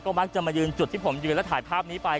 มักจะมายืนจุดที่ผมยืนแล้วถ่ายภาพนี้ไป